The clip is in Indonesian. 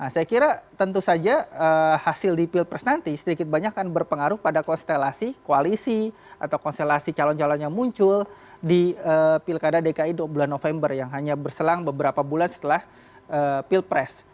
saya kira tentu saja hasil di pilpres nanti sedikit banyak akan berpengaruh pada konstelasi koalisi atau konstelasi calon calon yang muncul di pilkada dki bulan november yang hanya berselang beberapa bulan setelah pilpres